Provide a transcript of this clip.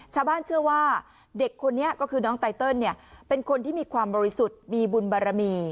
ชาวบ้านเชื่อว่าเด็กคนนี้ก็คือน้องไตเติลเป็นคนที่มีความบริสุทธิ์มีบุญบารมี